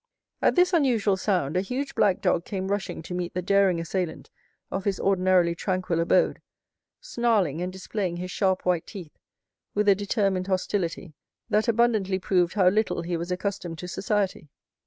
At this unusual sound, a huge black dog came rushing to meet the daring assailant of his ordinarily tranquil abode, snarling and displaying his sharp white teeth with a determined hostility that abundantly proved how little he was accustomed to society.